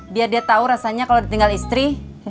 dia dia tahu rasanya kalau ditinggal istri